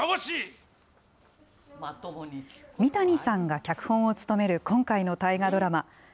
三谷さんが脚本を務める今回の大河ドラマ。